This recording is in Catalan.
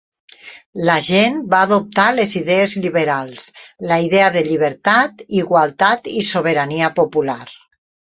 La gent va adoptar les idees liberals: la idea de llibertat, igualtat i sobirania popular.